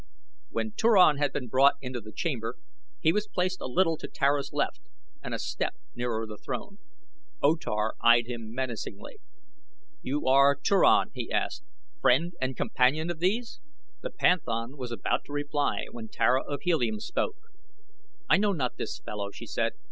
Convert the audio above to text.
When Turan had been brought into the chamber he was placed a little to Tara's left and a step nearer the throne. O Tar eyed him menacingly. "You are Turan," he asked, "friend and companion of these?" The panthan was about to reply when Tara of Helium spoke. "I know not this fellow," she said.